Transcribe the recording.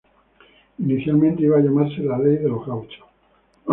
Inicialmente iba a llamarse "La ley de los gauchos".